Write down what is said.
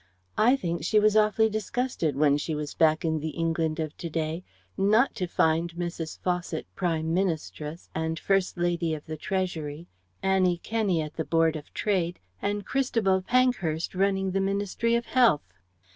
I think she was awfully disgusted when she was back in the England of to day not to find Mrs. Fawcett Prime Ministress and First Lady of the Treasury, Annie Kenney at the Board of Trade and Christabel Pankhurst running the Ministry of Health.